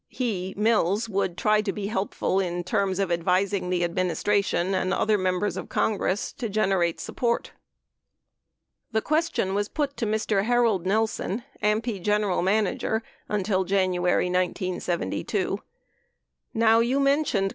he (Mills) would try to be helpful in terms of advising the administration and other Members of Congress to generate support. 11 The question was put to Mr. Harold Nelson, AMPI general manager until January, 1972, "Now you mentioned